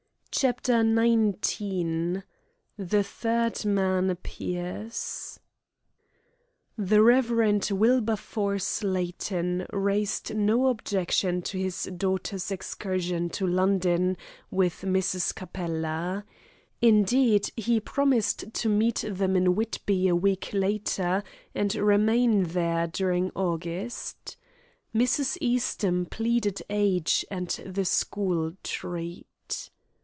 CHAPTER XIX THE THIRD MAN APPEARS The Rev. Wilberforce Layton raised no objection to his daughter's excursion to London with Mrs. Capella. Indeed, he promised to meet them in Whitby a week later, and remain there during August. Mrs. Eastham pleaded age and the school treat.